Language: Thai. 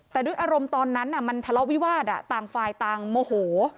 แต่ด้วยอารมณ์ตอนนั้นมันทะเลาะวิวาสต่างฝ่ายต่างโมโห